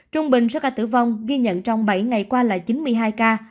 trung bình số ca tử vong ghi nhận trong bảy ngày qua là chín mươi hai ca